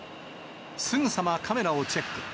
すぐさまカメラをチェック。